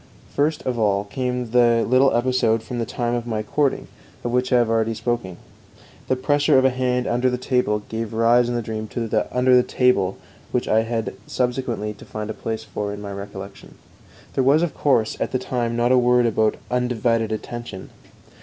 First of all came the little episode from the time of my courting, of which I have already spoken; the pressure of a hand under the table gave rise in the dream to the "under the table," which I had subsequently to find a place for in my recollection. There was, of course, at the time not a word about "undivided attention."